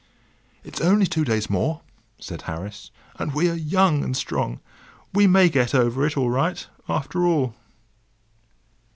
"It's only two days more," said Harris, "and we are young and strong. We may get over it all right, after all."